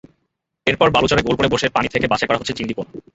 এরপর বালুচরে গোল করে বসে পানি থেকে বাছাই করা হচ্ছে চিংড়ি পোনা।